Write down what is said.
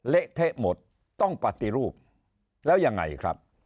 เละเทะหมดต้องปฏิรูปแล้วยังไงครับ